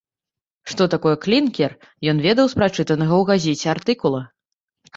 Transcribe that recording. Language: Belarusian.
Што такое клінкер, ён ведаў з прачытанага ў газеце артыкула.